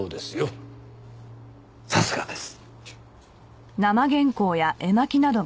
さすがです。